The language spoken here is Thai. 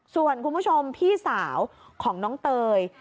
ส่วนคุณผู้ชมพี่สาวของน้องเตย